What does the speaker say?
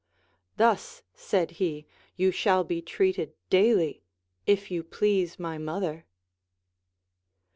Thus, said he, you shall be treated daily, if you please my mother.